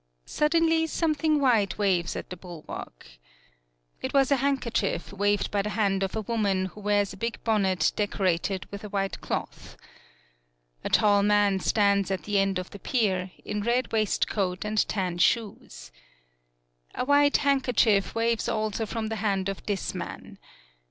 Suddenly something white waves at the bulwark. It was a hand kerchief waved by the hand of a woman who wears a big bonnet decorated with a white cloth. A tall man stands at the end of the pier, in red waistcoat and tan shoes. A white handkerchief waves also from the hand of this man.